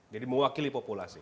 jadi mewakili populasi